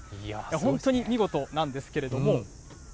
本当に見事なんですけれども。